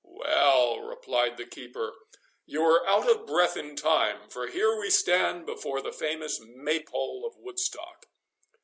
"Well," replied the keeper, "you are out of breath in time; for here we stand before the famous Maypole of Woodstock."